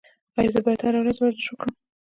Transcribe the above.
ایا زه باید هره ورځ ورزش وکړم؟